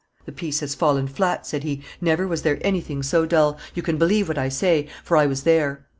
"The piece has fallen flat," said he; "never was there anything so dull; you can believe what I say, for I was there."